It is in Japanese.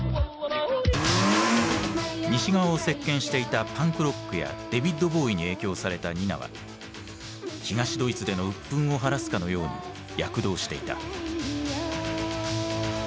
西側を席巻していたパンクロックやデヴィッド・ボウイに影響されたニナは東ドイツでの鬱憤を晴らすかのように躍動していた。